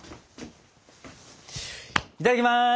いただきます！